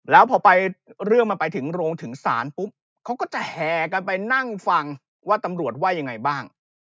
แล้วพอไปเรื่องมันไปถึงโรงถึงศาลปุ๊บเขาก็จะแห่กันไปนั่งฟังว่าตำรวจว่ายังไงบ้าง